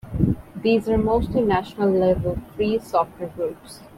These are mostly national-level free software groups.